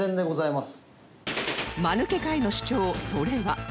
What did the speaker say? まぬけ会の主張それは